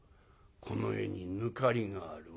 この絵に抜かりがある。